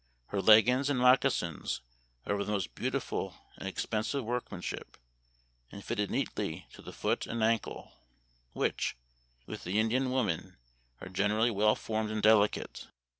Her leggins and moccasins are of the most beautiful and expen sive workmanship, and fitted neatly to the foot and ankle, which, with the Indian women, are general ly well formed and delicate.